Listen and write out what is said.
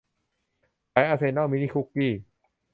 ขายอาร์เซน่อลมินิคุกกี้